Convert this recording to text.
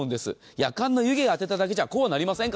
やかんの湯気当てただけじゃこうはなりません。